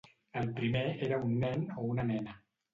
El primer era un nen o una nena?